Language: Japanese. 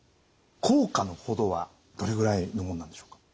効果の程はどれぐらいのもんなんでしょうか？